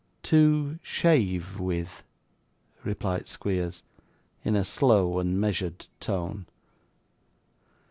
'To shave with,' replied Squeers, in a slow and measured tone.